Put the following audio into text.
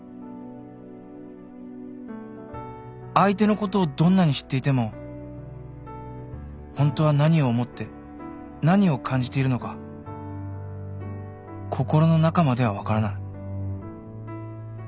相手のことをどんなに知っていてもホントは何を思って何を感じているのか心の中までは分からない